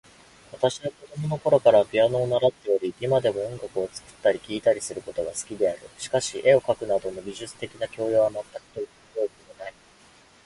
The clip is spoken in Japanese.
私は子供のころからピアノを習っており、今でも音楽を作ったり聴いたりすることが好きである。しかし、絵を描くなどの美術的な教養は全くと言ってよいほどない。